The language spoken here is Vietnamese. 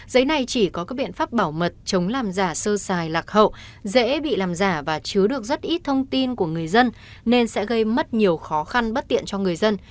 giấy này chỉ có các biện pháp bảo mật chống làm giả sơ xài lạc hậu dễ bị làm giả và chứa được rất ít thông tin của người dân nên sẽ gây mất nhiều khó khăn bất tiện cho người dân